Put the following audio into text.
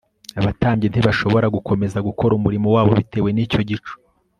abatambyi ntibashobora gukomeza gukora umurimo wabo bitewe n'icyo gicu